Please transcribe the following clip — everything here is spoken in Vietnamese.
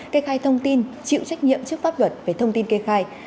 kê khai thông tin chịu trách nhiệm trước pháp luật về thông tin kê khai